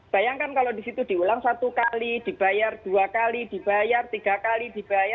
bayangkan kalau di situ diulang satu kali dibayar dua kali dibayar tiga kali dibayar